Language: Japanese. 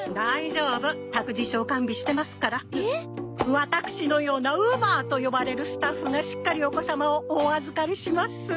ワタクシのようなウバーと呼ばれるスタッフがしっかりお子様をお預かりします！